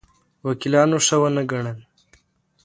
وکیلانو ښه ونه ګڼل.